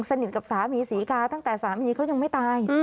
สนิทกับสามีศรีกาตั้งแต่สามีเขายังไม่ตาย